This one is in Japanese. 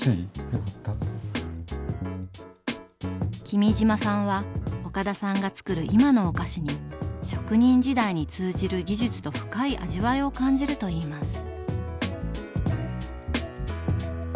君島さんは岡田さんがつくる今のお菓子に職人時代に通じる技術と深い味わいを感じるといいます。